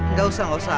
gak usah gak usah